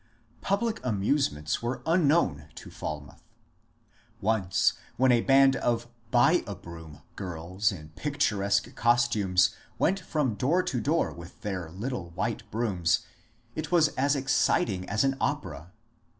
Public amusements wercj unknown to Falmouth. Once 34 MONCURE DANIEL CONWAY when a band of ^^ Buy a broom " girls in picturesque costumes went from door to door with their little white brooms, it was as exciting as an opera.